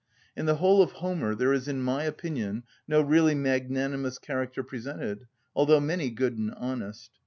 In the whole of Homer there is in my opinion no really magnanimous character presented, although many good and honest.